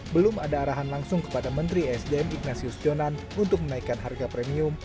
belum ada arahan langsung kepada menteri esdm ignasius jonan untuk menaikan harga premium